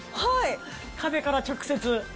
壁から直接。